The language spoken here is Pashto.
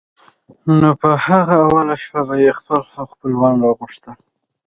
نو په هغه اوله شپه به یې خپل او خپلوان را غوښتل.